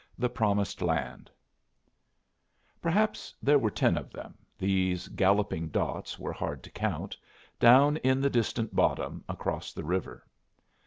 The Promised Land Perhaps there were ten of them these galloping dots were hard to count down in the distant bottom across the river.